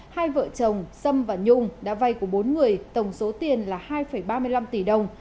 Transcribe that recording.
hai vợ chồng sâm và nhung đã vay của bốn người tổng số tiền là hai ba mươi năm tỷ đồng